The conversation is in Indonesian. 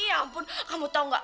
ya ampun kamu tau gak